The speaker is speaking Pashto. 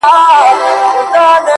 • د هغه سړي یې مخ نه وي کتلی ,